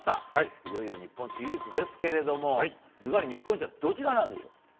いよいよ日本シリーズですけどずばり日本一はどちらなんでしょう？